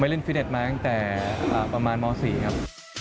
เล่นฟิตเน็ตมาตั้งแต่ประมาณม๔ครับ